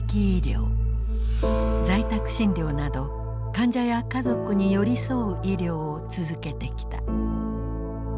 在宅診療など患者や家族に寄り添う医療を続けてきた。